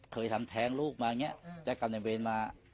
เคยทำแท้งลูกมางี้จากกำลังเวทมา